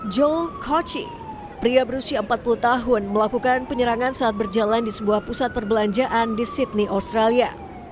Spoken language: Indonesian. jole cochi pria berusia empat puluh tahun melakukan penyerangan saat berjalan di sebuah pusat perbelanjaan di sydney australia